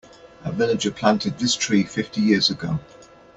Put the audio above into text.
A villager planted this tree fifty years ago.